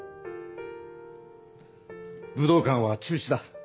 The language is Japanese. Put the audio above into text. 武道館は中止だ。